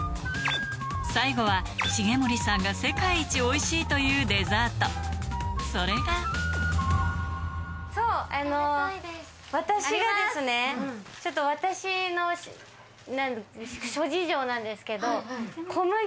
最後は重盛さんが世界一おいしいというデザートそれがそう私がちょっと私の諸事情なんですけど。